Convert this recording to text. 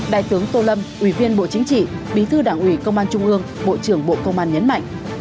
đại tướng tô lâm ủy viên bộ chính trị bí thư đảng ủy công an trung ương bộ trưởng bộ công an nhấn mạnh